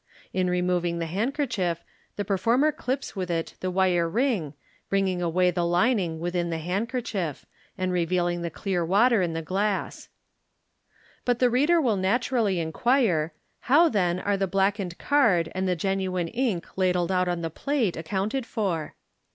In removing the handkerchief, the performer clips with it the wire ring, bringing away the lining within the handkerchief, and revealing the clear water in the glass. But the reader will naturally inquire, " How, then, are the black ened card and the genuine ink ladled out on the plate accounted for?"